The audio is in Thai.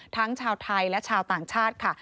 ทั้งชาวไทยและชาวต่างชาติค่ะ